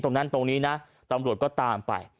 ตรงนั้นตรงนี้นะตำรวจก็ตามไป